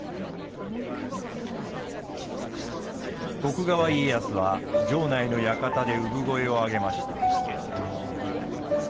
徳川家康は城内の館で産声を上げました。